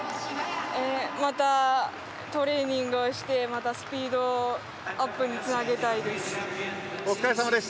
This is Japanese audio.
またトレーニングをしてスピードアップにつなげたいです。